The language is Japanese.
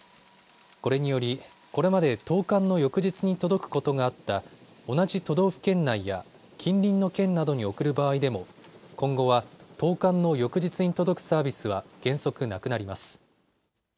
これによりこれまで投かんの翌日に届くことがあった同じ都道府県内や近隣の県などに送る場合でも今後は投かんの翌日に届くサービスは原則なくなります。